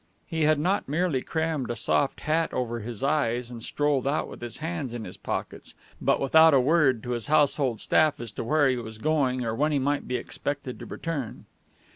He had not merely crammed a soft hat over his eyes and strolled out with his hands in his pockets, but without a word to his household staff as to where he was going or when he might be expected to return.